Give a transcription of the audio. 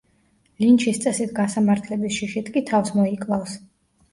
ლინჩის წესით გასამართლების შიშით კი თავს მოიკლავს.